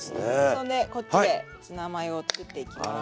そんでこっちでツナマヨを作っていきます。